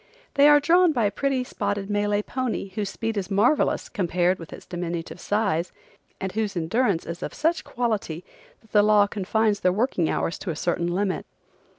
They are drawn by a pretty spotted Malay pony whose speed is marvelous compared with its diminutive size, and whose endurance is of such quality that the law confines their working hours to a certain limit.